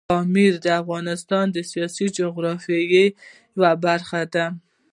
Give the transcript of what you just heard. پامیر د افغانستان د سیاسي جغرافیې یوه برخه ده.